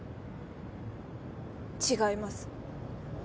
違います